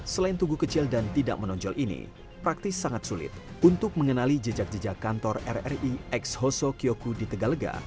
selain tugu kecil dan tidak menonjol ini praktis sangat sulit untuk mengenali jejak jejak kantor rri ex hoso kioku di tegalega